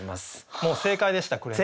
もう正解でした紅さん。